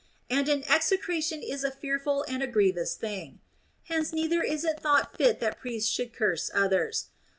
And an execration is a fearful and a grievous thing. Hence neither is it thought fit that priests should curse others.